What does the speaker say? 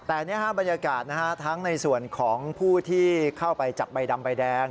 แต่นี่บรรยากาศทั้งในส่วนของผู้ที่เข้าไปจับใบดำใบแดง